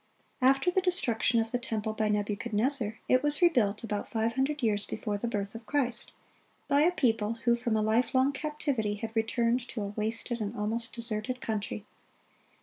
(26) After the destruction of the temple by Nebuchadnezzar, it was rebuilt about five hundred years before the birth of Christ, by a people who from a life long captivity had returned to a wasted and almost deserted country.